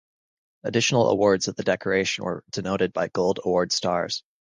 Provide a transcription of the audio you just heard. Additional awards of the decoration were denoted by gold award stars.